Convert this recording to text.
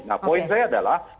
nah poin saya adalah